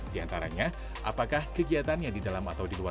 di antaranya apakah kegiatannya di dalam atau di bawah